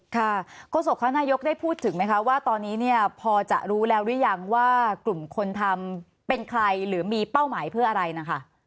โฆษกคณะนายกได้พูดถึงไหมคะว่าตอนนี้เนี่ยพอจะรู้แล้วหรือยังว่ากลุ่มคนทำเป็นใครหรือมีเป้าหมายเพื่ออะไรนะคะ